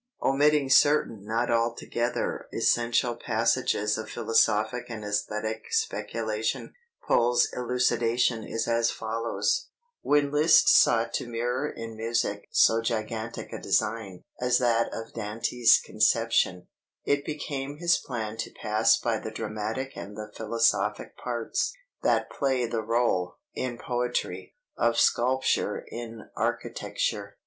Omitting certain not altogether essential passages of philosophic and æsthetic speculation, Pohl's elucidation is as follows: "When Liszt sought to mirror in music so gigantic a design [as that of Dante's conception], it became his plan to pass by the dramatic and the philosophic parts, that play the rôle, in poetry, of sculpture in architecture.